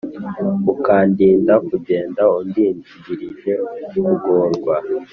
Ukandinda kugenda Undindirije kugorwa